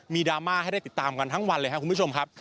ดราม่าให้ได้ติดตามกันทั้งวันเลยครับคุณผู้ชมครับ